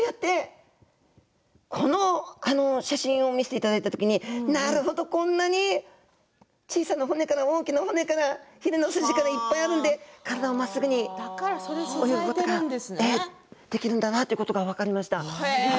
写真を見せてもらったときになるほどこんなに小さな骨から大きな骨からひれの筋からいっぱいあるので体をまっすぐにできるんだなということが分かりますか。